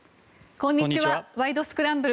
こんにちは。